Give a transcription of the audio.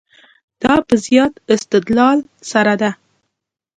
دا په زیات استدلال سره ده.